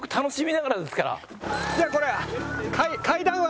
じゃあこれ。